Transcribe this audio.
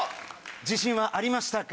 自信はありましたか？